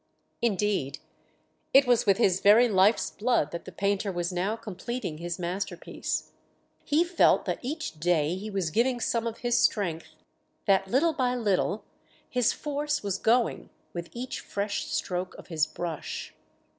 Indeed, it was with his very life's blood that the painter was now completing his masterpiece; he felt that each day he was giving some of his strength that little by little his force was going with each fresh stroke of his brush.